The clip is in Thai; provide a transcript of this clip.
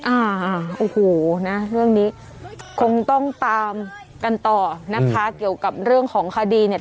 อ่าโอ้โหนะเรื่องนี้คงต้องตามกันต่อนะคะเกี่ยวกับเรื่องของคดีเนี่ย